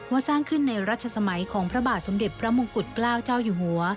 สร้างขึ้นในรัชสมัยของพระบาทสมเด็จพระมงกุฎเกล้าเจ้าอยู่หัว